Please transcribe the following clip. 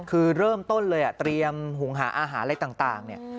คือเริ่มต้นเลยเตรียมหุงหาอาหารอะไรต่างเนี่ย